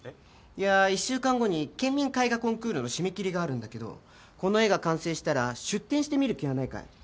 いやぁ１週間後に県民絵画コンクールの締め切りがあるんだけどこの絵が完成したら出展してみる気はないかい？